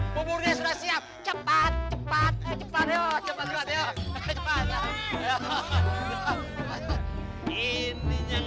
buburnya sudah siap cepat cepat cepat cepat cepat cepat cepat